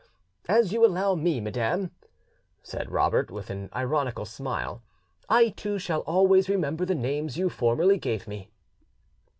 "As you allow me, madam," said Robert, with an ironical smile, "I too shall always remember the names you formerly gave me."